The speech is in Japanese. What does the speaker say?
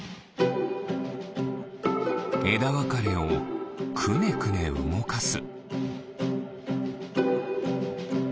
えだわかれをくねくねうごかす。